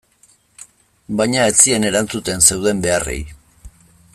Baina ez zien erantzuten zeuden beharrei.